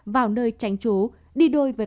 vào nơi tránh trú đi đôi với